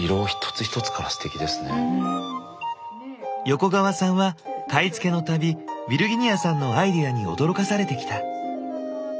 横川さんは買い付けのたびヴィルギニヤさんのアイデアに驚かされてきた。